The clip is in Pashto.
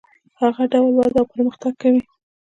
هغه ډول وده او پرمختګ کوي.